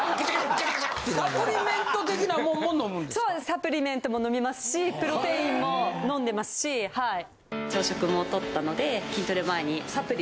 サプリメントも飲みますしプロテインも飲んでますしはい。